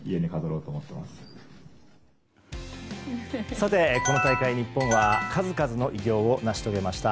さて、この大会日本は数々の偉業を成し遂げました。